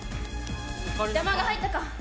邪魔が入ったか。